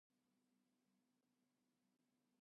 This is awarded to pupils in Prep.